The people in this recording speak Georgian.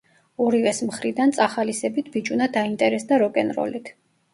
ორივეს მხრიდან წახალისებით, ბიჭუნა დაინტერესდა როკ-ენ-როლით.